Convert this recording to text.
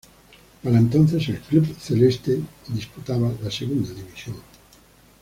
Para entonces, el club "celeste" disputaba la Segunda División.